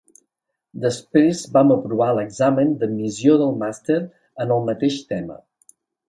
Després va aprovar l'examen d'admissió del Màster en el mateix tema.